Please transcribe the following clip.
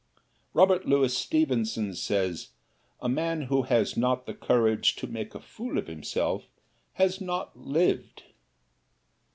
Robert Louis Stevenson says, "A man who has not had the courage to make a fool of himself has not lived."